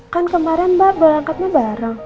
kan kemarin mbak berangkatnya bareng